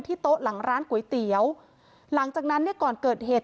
โต๊ะหลังร้านก๋วยเตี๋ยวหลังจากนั้นเนี่ยก่อนเกิดเหตุ